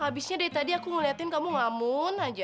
habisnya dari tadi aku ngeliatin kamu ngamun aja